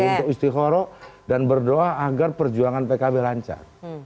untuk istiqoroh dan berdoa agar perjuangan pkb lancar